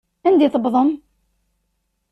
Anda i tewwḍem?